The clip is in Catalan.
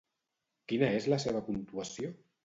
Quina és la seva puntuació?